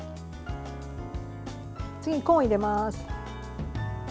次にコーンを入れます。